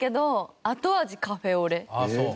ああそう。